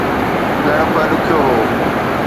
ڳڻپ ڏکيو هو